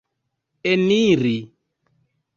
eniri